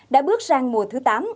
đã bước sang mùa thứ tám